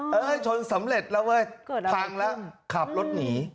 ชนสำเร็จแล้วเว้ยพังแล้วขับรถหนี